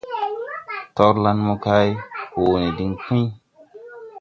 Torlan mokay hoo ne diŋ Puy.